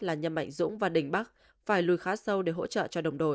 là nhâm mạnh dũng và đình bắc phải lùi khá sâu để hỗ trợ cho đồng đội